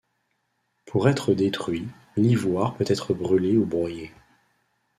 Pour être détruit, l'ivoire peut être brûlé ou broyé.